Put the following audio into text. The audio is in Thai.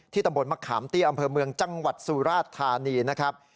ตำบลมะขามเตี้ยอำเภอเมืองจังหวัดสุราชธานีนะครับ